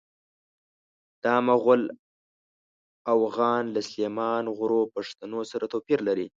دا مغول اوغان له سلیمان غرو پښتنو سره توپیر لري.